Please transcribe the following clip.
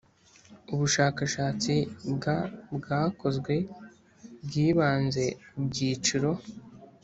Ubushakashatsi bwa bwakozwe bwibanze ku byiciro